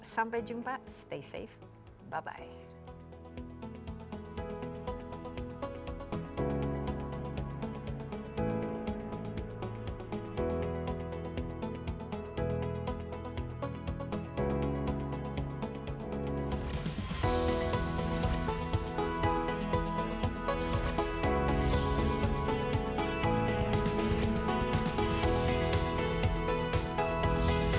sampai jumpa stay safe bye bye